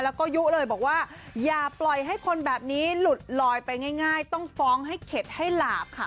แล้วก็ยุเลยบอกว่าอย่าปล่อยให้คนแบบนี้หลุดลอยไปง่ายต้องฟ้องให้เข็ดให้หลาบค่ะ